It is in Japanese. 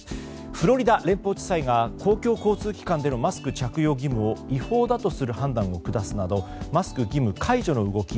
フロリダ連邦地裁が公共交通機関でのマスク着用義務を違法だとする判断を下すなどマスク義務解除の動き